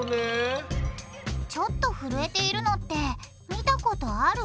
ちょっとふるえているのって見たことある？